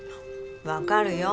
わかるよ。